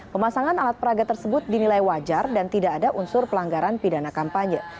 pemasangan alat peraga tersebut dinilai wajar dan tidak ada unsur pelanggaran pidana kampanye